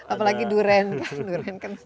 apalagi durian kan